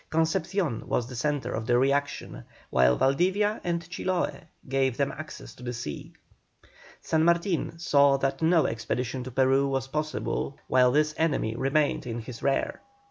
Concepcion was the centre of the reaction, while Valdivia and Chiloe gave them access to the sea. San Martin saw that no expedition to Peru was possible while this enemy remained in his rear.